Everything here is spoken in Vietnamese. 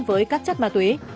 với các chất ma túy